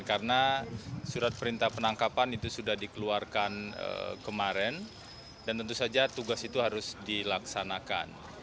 karena surat perintah penangkapan itu sudah dikeluarkan kemarin dan tentu saja tugas itu harus dilaksanakan